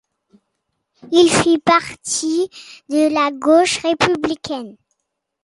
Il fit partie de la gauche républicaine.